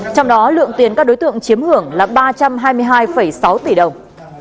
trong đó lượng tiền các đối tượng chiếm hưởng là ba trăm hai mươi hai sáu tỷ đồng